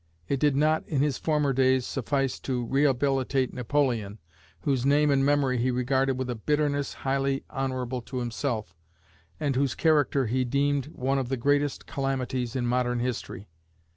It did not, in his former days, suffice to rehabilitate Napoleon, whose name and memory he regarded with a bitterness highly honourable to himself, and whose career he deemed one of the greatest calamities in modern history.